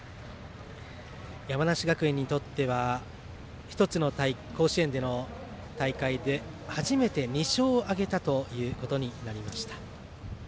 山梨学院にとっては１つの甲子園での大会で初めて２勝を挙げたということになりました。